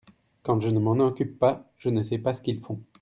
quand je ne m'en occupe pas je ne sais pas ce qu'ils font.